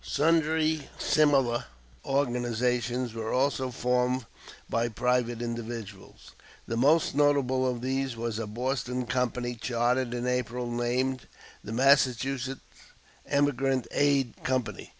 Sundry similar organizations were also formed by private individuals. The most notable of these was a Boston company chartered in April, named "The Massachusetts Emigrant Aid Company."